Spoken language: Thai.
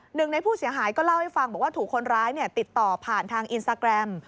หนึ่งในผู้เสียหายก็เล่าให้ฟังบอกว่าถูกคนร้ายติดต่อผ่านทางอินสตาแกรม